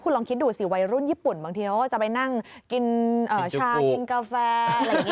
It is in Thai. คุณลองคิดดูสิวัยรุ่นญี่ปุ่นบางทีเขาจะไปนั่งกินชากินกาแฟ